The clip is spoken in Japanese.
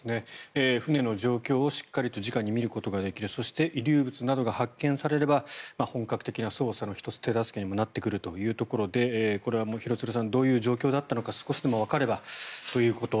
船の状況を直にしっかりと見ることができるそして遺留物などが発見されれば本格的な捜査の１つ手助けにもなってくるということでこれは廣津留さんどういう状況だったのか少しでもわかればということ。